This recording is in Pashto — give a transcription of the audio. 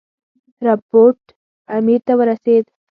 رپوټ امیر ته ورسېد.